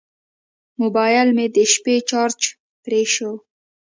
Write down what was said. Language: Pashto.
موبایل مې د شپې چارج پرې شو.